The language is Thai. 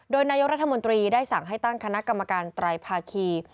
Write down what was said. โดยนายกรัฐมนตรีได้สั่งให้ตั้งคณะกรรมการไตรภาคี